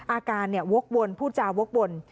อาการพูดจาววกบน